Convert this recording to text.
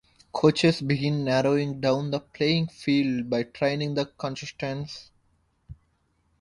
Coaches begin narrowing down the playing field by training the contestants.